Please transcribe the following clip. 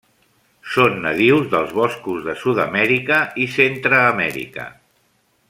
Són nadius dels boscos de Sud-amèrica i Centreamèrica.